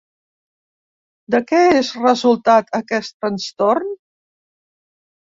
De què és resultat aquest trastorn?